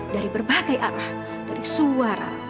dari berbagai arah dari suara